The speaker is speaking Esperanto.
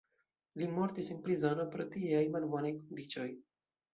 Li mortis en prizono pro tieaj malbonaj kondiĉoj.